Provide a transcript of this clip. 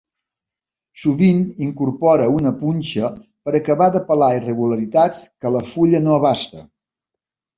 Sovint incorpora una punxa per acabar de pelar irregularitats que la fulla no abasta.